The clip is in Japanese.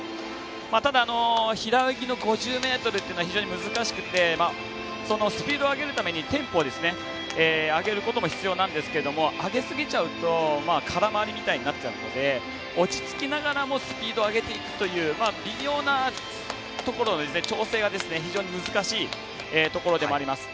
ただ、平泳ぎの５０ｍというのは非常に難しくてスピードを上げるためにテンポを上げることも必要なんですけども上げすぎちゃうと空回りみたいになっちゃうので落ち着きながらもスピードを上げていくという微妙なところの調整が非常に難しいところでもあります。